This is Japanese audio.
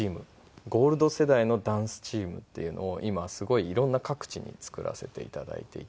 ゴールド世代のダンスチームっていうのを今すごい色んな各地に作らせて頂いていて。